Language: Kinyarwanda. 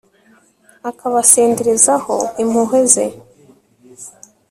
akabasenderezaho impuhwe ze